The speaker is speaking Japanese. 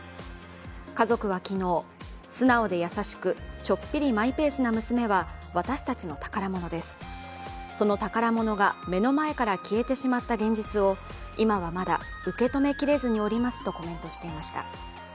家族は昨日、素直で優しくちょっぴりマイペースな娘は私たちの宝物です、その宝物が目の前から消えてしまった現実を今はまだ受け止めきれずにおりますとコメントしていました。